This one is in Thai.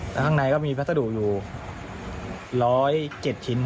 แล้วข้างในก็มีพัสดุอยู่๑๐๗ชิ้น